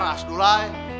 ya udah om